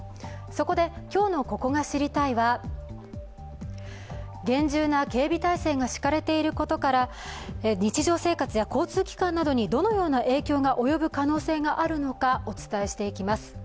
そこで、今日の「ここが知りたい！」は厳重な警備体制が敷かれていることから、日常生活や交通機関などにどのような影響が及ぶ可能性があるのかお伝えしていきます。